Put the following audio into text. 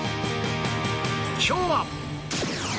今日は。